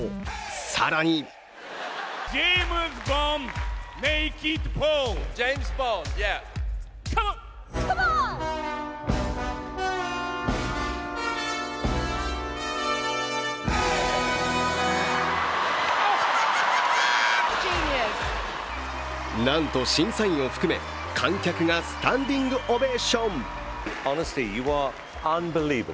更になんと審査員を含め観客がスタンディングオベーション。